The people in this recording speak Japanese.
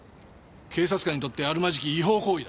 警察官にとってあるまじき違法行為だ。